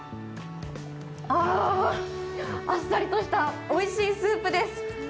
あっさりとしたおいしいスープです。